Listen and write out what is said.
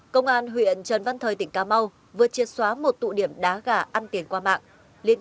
công an huyện trần văn thời tỉnh cà mau vừa triệt xóa một tụ điểm đá gà ăn tiền qua mạng